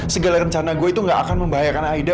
segala rencana gue itu gak akan membahayakan aida